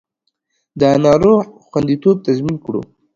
د ناروغ خوندیتوب تضمین کړو